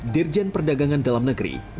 dirjen perdagangan dalam negeri suhanto menyatakan